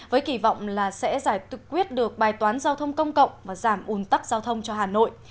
với kỳ vọng là sẽ giải quyết được bài toán giao thông công cộng và giảm ủn tắc giao thông cho hà nội